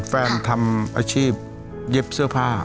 ทำอาชีพเย็บเสื้อผ้า